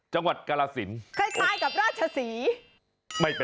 จังหวัดกราศิลป์